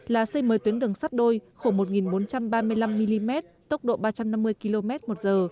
là xây mới tuyến đường sắt đôi khổ một bốn trăm ba mươi năm mm tốc độ ba trăm năm mươi km một giờ